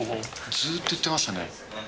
ずっと言ってましたね。